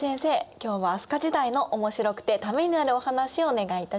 今日は飛鳥時代のおもしくてためになるお話をお願いいたします。